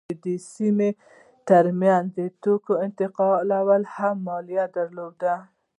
د سیمو ترمنځ د توکو انتقال هم مالیه درلوده.